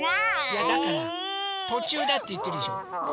いやだからとちゅうだっていってるじゃん。